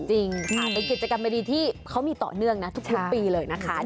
เป็นกิจกรรมบริธีที่เค้ามีต่อเนื่องนะทุกปีเลยนะคะ